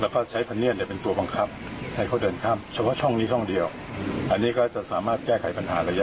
ปัญหาระยะยาวได้ใช่ไหมครับ